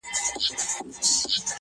دلته یو ډله بله را پورته شوه